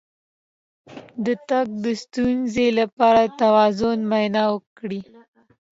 د تګ د ستونزې لپاره د توازن معاینه وکړئ